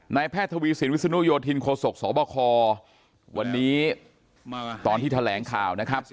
แพทย์ทวีสินวิศนุโยธินโคศกสบควันนี้ตอนที่แถลงข่าวนะครับ